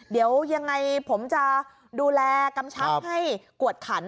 เดี๋ยวยังไงผมจะดูแลกำชับให้กวดขัน